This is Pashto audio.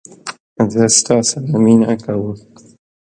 زه ستا سره مینه کوم